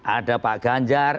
ada pak ganjar